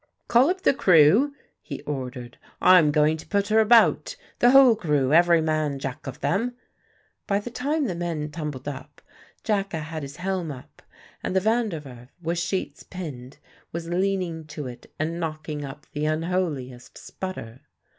"Call up the crew," he ordered. "I'm going to put her about. The whole crew every man Jack of them!" By the time the men tumbled up, Jacka had his helm up, and the Van der Werf, with sheets pinned, was leaning to it and knocking up the unholiest sputter.